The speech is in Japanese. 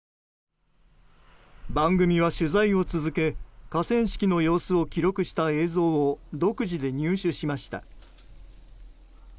番組は取材を続け河川敷の様子を記録した映像を独自で入手しました。